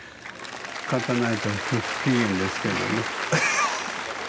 勝たないと不機嫌ですけどね。